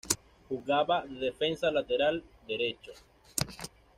Jugaba de defensa lateral derecho.